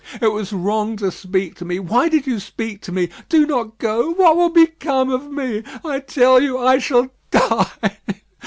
It was wrong to speak to me; why did you speak to me? Do not go. What will become of me? I tell you I shall die.